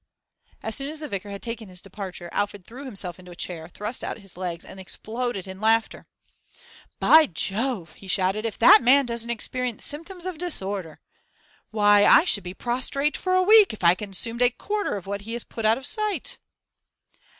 As soon as the vicar had taken his departure Alfred threw himself into a chair, thrust out his legs, and exploded in laughter. 'By Jove!' he shouted. 'If that man doesn't experience symptoms of disorder! Why, I should be prostrate for a week if I consumed a quarter of what he has put out of sight.